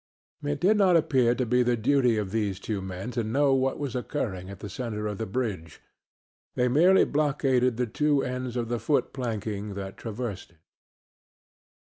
It did not appear to be the duty of these two men to know what was occurring at the centre of the bridge; they merely blockaded the two ends of the foot planking that traversed it.